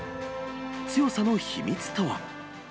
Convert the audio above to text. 強さの秘密とは。